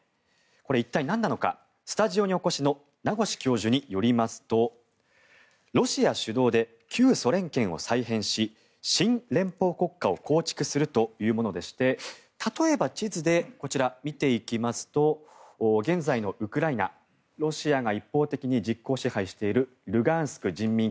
これ、一体何なのかスタジオにお越しの名越教授によりますとロシア主導で旧ソ連圏を再編し新連邦国家を構築するというものでして例えば地図で見ていきますと現在のウクライナロシアが一方的に実効支配しているルガンスク人民